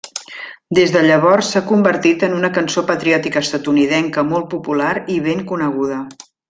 Des de llavors s'ha convertit en una cançó patriòtica estatunidenca molt popular i ben coneguda.